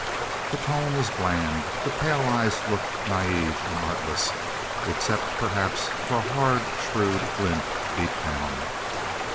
The tone was bland. The pale eyes looked naive and artless, except, perhaps, for a hard, shrewd glint, deep down.